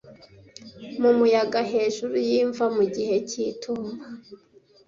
mu muyaga hejuru y'imva mu gihe cy'itumba